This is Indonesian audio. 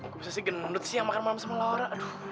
kok bisa sih genut siang makan malam sama laura